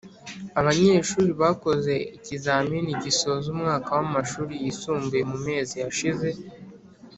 Abanyeshuri bakoze ikizamini gisoza umwaka wamashuri yisumbuye mumezi yashize